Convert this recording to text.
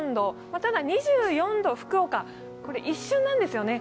ただ、２４度、福岡、一瞬なんですよね。